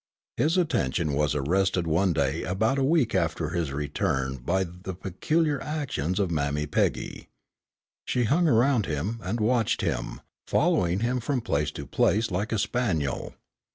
His attention was arrested one day about a week after his return by the peculiar actions of Mammy Peggy. She hung around him, and watched him, following him from place to place like a spaniel.